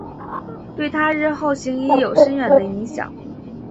对她日后行医有深远的影响。